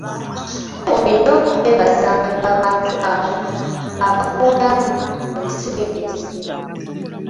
Olina okwebazanga abantu abo abakuyamba mu biseera ebizibu.